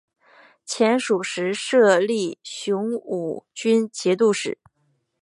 前蜀时设立雄武军节度使。